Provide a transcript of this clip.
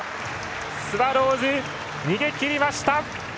スワローズ、逃げきりました！